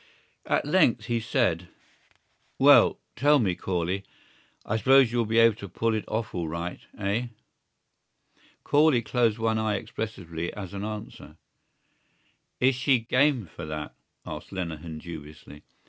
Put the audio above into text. At length he said: "Well ... tell me, Corley, I suppose you'll be able to pull it off all right, eh?" Corley closed one eye expressively as an answer. "Is she game for that?" asked Lenehan dubiously.